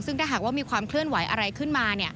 ซึ่งถ้าหากว่ามีความเคลื่อนไหวอะไรขึ้นมา